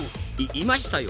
いいましたよ！